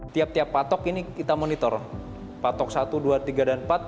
tiap tiap patok ini kita monitor patok satu dua tiga dan empat